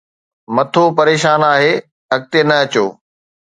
مٿو پريشان آهي، اڳتي نه اچو